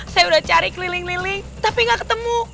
saya udah cari keliling keliling tapi gak ketemu